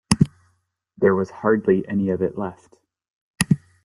There was hardly any of it left.